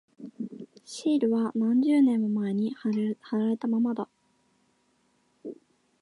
シールは何十年も前に貼られたままだ。